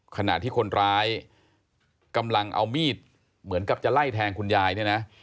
ขณะที่คนร้ายกำลังเอามีดเหมือนกับจะไล่แทงคุณยายเนี่ยนะ